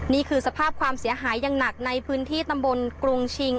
นี่คือสภาพความเสียหายอย่างหนักในพื้นที่ตำบลกรุงชิง